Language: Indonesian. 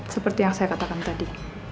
seperti yang saya katakan tadi